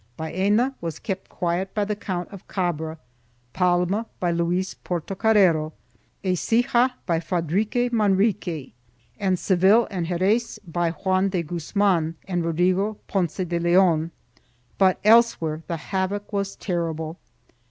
Baena was kept quiet by the Count of Cabra, Palma by Luis Porto carrero, Ecija by Fadrique Manrique and Seville and Jerez by Juan de Guzman and Rodrigo Ponce de Leon, but elsewhere the havoc was terrible.